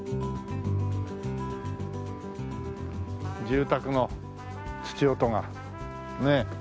住宅のつち音がねえ。